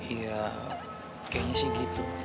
iya kayaknya sih gitu